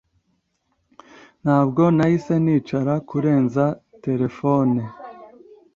Ntabwo nahise nicara kurenza telefone